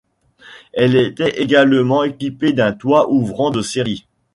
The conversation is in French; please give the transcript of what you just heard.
Elle était également équipée d'un toit ouvrant de série.